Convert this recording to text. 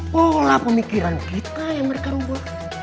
pola pemikiran kita yang mereka rumput